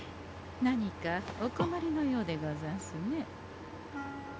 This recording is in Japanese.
何かお困りのようでござんすね？